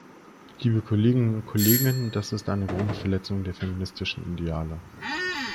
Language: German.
Liebe Kolleginnen und Kollegen, das ist eine grobe Verletzung der feministischen Ideale.